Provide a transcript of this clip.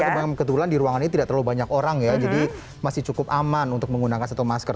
karena kebetulan di ruangan ini tidak terlalu banyak orang ya jadi masih cukup aman untuk menggunakan satu masker